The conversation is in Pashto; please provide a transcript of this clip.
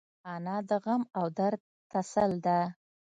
انا د غم او درد تسل ده